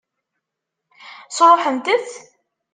Sṛuḥent-tt?